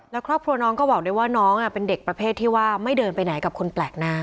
แล้วครอบครัวน้องก็บอกด้วยว่าน้องเป็นเด็กประเภทที่ว่าไม่เดินไปไหนกับคนแปลกหน้า